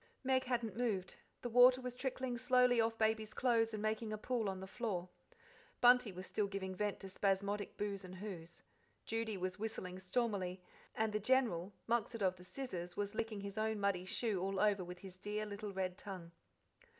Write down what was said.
Meg hadn't moved; the water was trickling slowly off Baby's clothes and making a pool on the floor, Bunty was still giving vent to spasmodic boos and hoos, Judy was whistling stormily, and the General, mulcted of the scissors, was licking his own muddy shoe all over with his dear little red tongue.